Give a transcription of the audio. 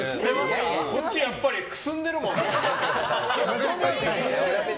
こっちやっぱりくすんでるもんね。